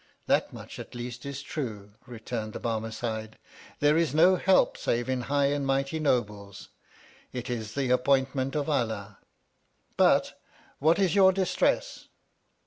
That much at least is true, returned the Barmecide, there is no help save in high and mighty nobles, it is the appointment of Allah. But, what is your dis tress